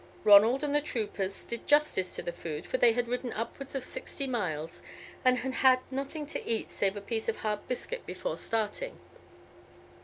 Ronald and the troopers did justice to the food, for they had ridden upwards of sixty miles, and had had nothing to eat save a piece of hard biscuit before starting.